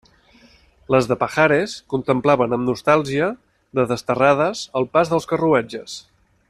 Les de Pajares contemplaven amb nostàlgia de desterrades el pas dels carruatges.